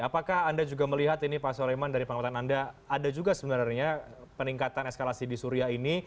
apakah anda juga melihat ini pak soleman dari pengamatan anda ada juga sebenarnya peningkatan eskalasi di suria ini